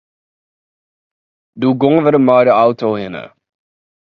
Doe gongen we der mei de auto hinne.